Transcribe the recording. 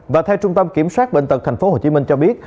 và theo trung tâm kiểm soát bệnh tật tp hcm cho biết